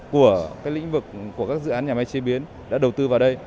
của lĩnh vực của các dự án nhà máy chế biến đã đầu tư vào đây